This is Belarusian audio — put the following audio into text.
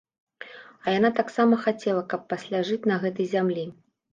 А яна таксама хацела, каб пасля жыць на гэтай зямлі.